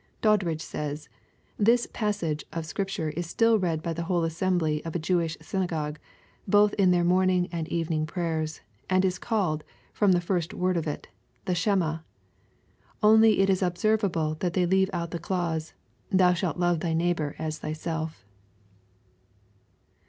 Doddridge says. " This passage of Scripture is still read by the whole assembly oi a Jewish synagogue, both in their morning and evening prayers, and is called, from the first word of it^ the She mah. Only it is observable that they leave out the clause. Thou shalt love tiiy neighbor as thyself."